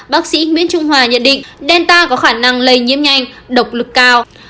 bác sĩ nguyễn trung hòa nhận định danta có khả năng lây nhiễm nhanh độc lực cao